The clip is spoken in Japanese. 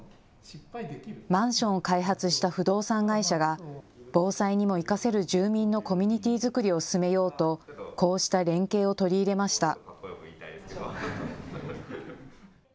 マンションを開発した不動産会社が防災にも生かせる住民のコミュニティー作りを進めようとこうした連携を取り入れました。